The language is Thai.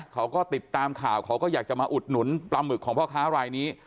เขาก็ติดตามข่าวเขาก็อยากจะมาอุดหนุนปลาหมึกของพ่อค้ารายนี้